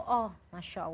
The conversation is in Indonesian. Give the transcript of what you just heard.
oh masya allah